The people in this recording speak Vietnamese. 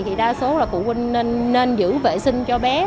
thì đa số là phụ huynh nên giữ vệ sinh cho bé